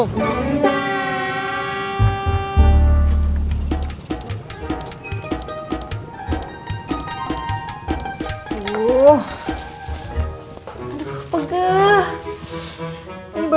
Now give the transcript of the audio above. makasih bang ojak